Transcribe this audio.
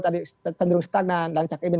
tadi tendurung setanan dan cak imin